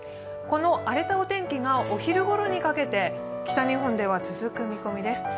この荒れたお天気がお昼ごろにかけて北日本では続く見込みです。